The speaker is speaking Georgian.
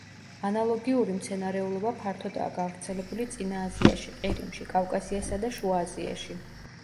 ანალოგიური მცენარეულობა ფართოდაა გავრცელებული წინა აზიაში, ყირიმში, კავკასიასა და შუა აზიაში.